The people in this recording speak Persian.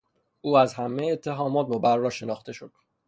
او از همهی اتهامات مبری شناخته شد.